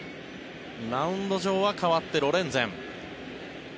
マウンド上は代わってロレンゼン。